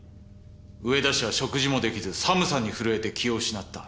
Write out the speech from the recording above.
上田氏は食事もできず寒さに震えて気を失った。